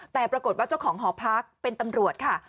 แต่ปรากฏว่าเจ้าของหอพักเป็นตำรวจค่ะ